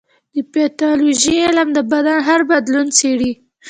د پیتالوژي علم د بدن هر بدلون څېړي.